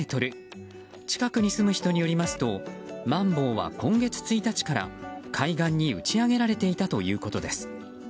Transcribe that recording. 近くに住む人によりますとマンボウは今月１日から海岸に打ち上げられていたということです。